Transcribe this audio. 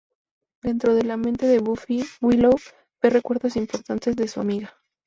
Dentro de la mente de Buffy, Willow ve recuerdos importantes de su amiga.